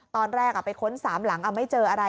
ตอนแรกไปค้น๓หลังไม่เจออะไร